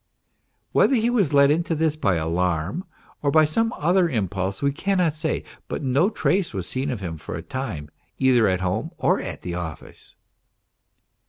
Whether he was led into this by alarm or some other impulse we cannot say, but no trace was seen of him for a time either at home or at the office.